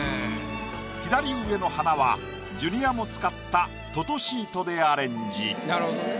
左上の花はジュニアも使った「ととしーと」でアレンジ。